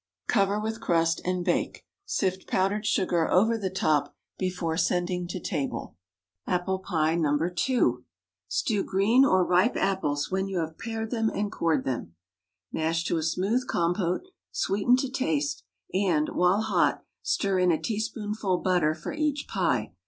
Cover with crust and bake. Sift powdered sugar over the top before sending to table. APPLE PIE (No. 2.) ✠ Stew green or ripe apples, when you have pared and cored them. Mash to a smooth compote, sweeten to taste, and, while hot, stir in a teaspoonful butter for each pie.